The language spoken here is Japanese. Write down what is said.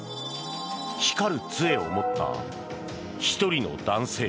光る杖を持った１人の男性。